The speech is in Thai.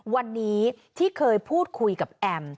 วันนี้ที่เคยพูดคุยกับแอม